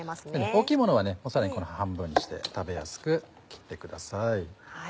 大きいものはさらに半分にして食べやすく切ってください。